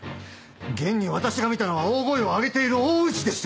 現に私が見たのは大声を上げている大内でして。